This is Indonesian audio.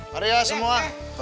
mari ya semua